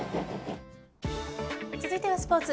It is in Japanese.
続いてはスポーツ。